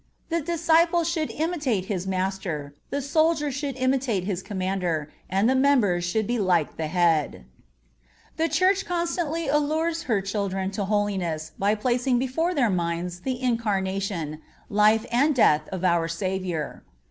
The disciple should imitate his Master, the soldier should imitate his Commander, and the members should be like the Head. The Church constantly allures her children to holiness by placing before their minds the Incarnation, life and death of our Savior.